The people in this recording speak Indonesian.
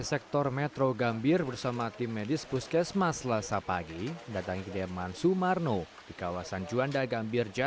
sejumlah rumah pemudik lainnya di kawasan gambir